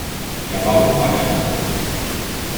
Er war unverheiratet.